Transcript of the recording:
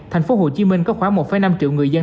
thành phố hồ chí minh có khoảng một năm triệu người dân